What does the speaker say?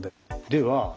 では